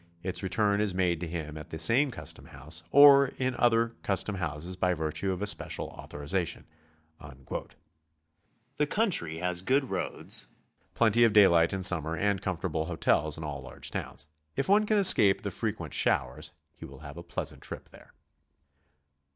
Its return is made to him at the same custom house, or in other custom houses by virtue of a special authorization." The country has good roads, plenty of daylight in summer, and comfortable hotels in all GOING ABROAD? 114 large towns. If one can escape the frequent showers, he will have a pleasant trip there.